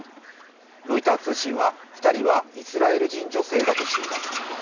ロイター通信は２人はイスラエル人女性だとしています。